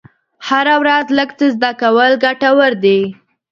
هره ورځ لږ څه زده کول ګټور دي.